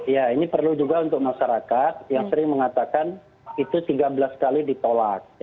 ya ini perlu juga untuk masyarakat yang sering mengatakan itu tiga belas kali ditolak